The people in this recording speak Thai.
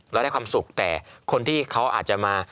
แล้วได้ความสุขแต่คนที่เขาอาจจะมา